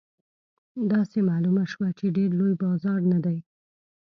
داسې معلومه شوه چې ډېر لوی بازار نه دی.